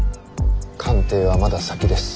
官邸はまだ先です。